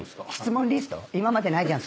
今までないじゃん